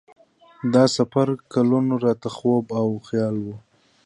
دا سفر کلونه راته خوب او خیال و.